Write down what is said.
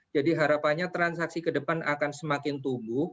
jadi harapannya transaksi kedepan akan semakin tumbuh